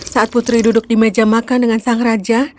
saat putri duduk di meja makan dengan sang raja